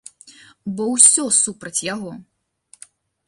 Бо ўсе супраць яго.